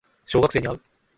小学生に会う